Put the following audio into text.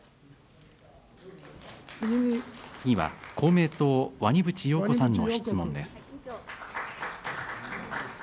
次は公明党、鰐淵洋子さんの質問です。